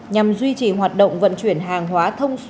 nhằm duy trì hoạt động vận chuyển hàng hóa